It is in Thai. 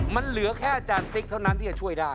มันเหลือแค่อาจารย์ติ๊กเท่านั้นที่จะช่วยได้